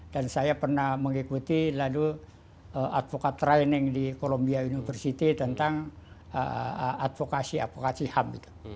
dan saya pernah mengikuti lalu advocate training di columbia university tentang advokasi advokasi ham